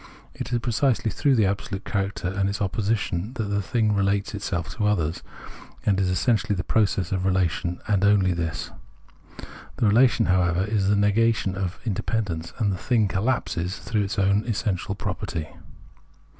It is precisely through the absolute character and its opposition that the thing relates itself to others, and is essentially this process of relation, and only this. The relation, however, is the negation of its independence, and the thing collapses through its own essential property.